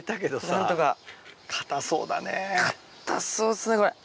硬そうですねこれ。